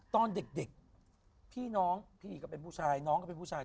ตอนเด็กพี่น้องพี่ก็เป็นผู้ชายน้องก็เป็นผู้ชาย